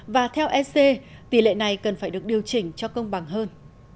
và theo ec tỷ lệ này cần phải được điều chỉnh cho công bằng hơn